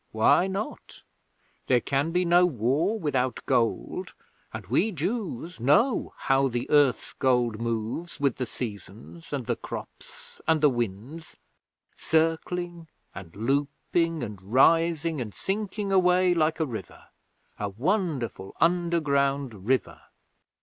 Why not? There can be no war without gold, and we Jews know how the earth's gold moves with the seasons, and the crops, and the winds; circling and looping and rising and sinking away like a river a wonderful underground river.